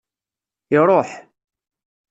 Iṛuḥ.